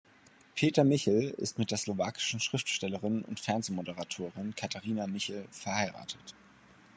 Peter Michel ist mit der slowakischen Schriftstellerin und Fernsehmoderatorin Katarina Michel verheiratet.